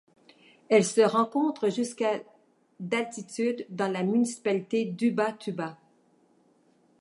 Elle se rencontre jusqu'à d'altitude dans la municipalité d'Ubatuba.